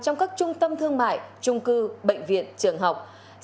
trong các trung tâm thương mại trung cư bệnh viện trường học